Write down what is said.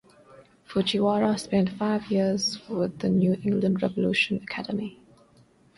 Fujiwara spent five years with the New England Revolution academy.